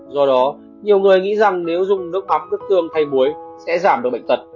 do đó nhiều người nghĩ rằng nếu dùng nước ấm nước tương hay muối sẽ giảm được bệnh tật